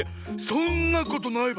そんなことないバン。